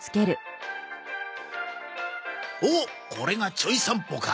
おっこれが『ちょい散歩』か。